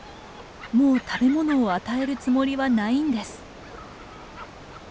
もう食べ物を与えるつもりはないんです。